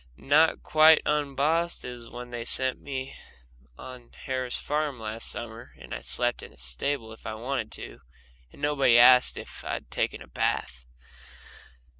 Not quite as unbossed as when they sent me on the Harris farm last summer, and I slept in the stable if I wanted to, and nobody asked if I'd taken a bath.